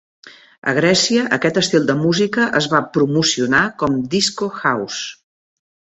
A Grècia, aquest estil de música es va promocionar com "disco house".